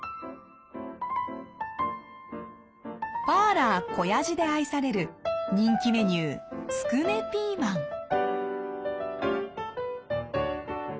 パーラー小やじで愛される人気メニューつくねピーマン。